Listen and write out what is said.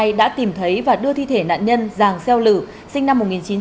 hang lào cai đã tìm thấy và đưa thi thể nạn nhân giàng xeo lử sinh năm một nghìn chín trăm sáu mươi ba